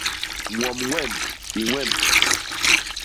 Ñwom ñwem, i ñwem.